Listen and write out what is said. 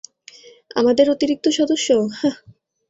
আমাদের অতিরিক্ত সদস্য, হাহ?